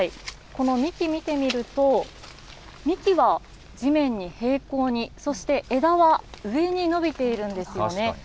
この幹、見てみると、幹は地面に並行に、そして枝は上に伸びているんですよね。